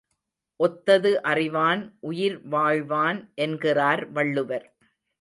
ஒத்தது அறிவான் உயிர்வாழ்வான் என்கிறார் வள்ளுவர்.